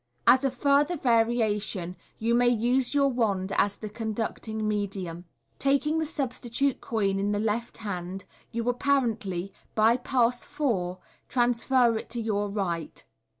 As a further variation, you may use your wand as the conducting medium. Taking the substi tute coin in the left hand, you apparently, by Pass 4, transfer it to your right.